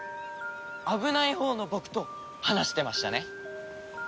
危ないほうの僕と話してましたね。